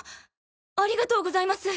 ありがとうございます！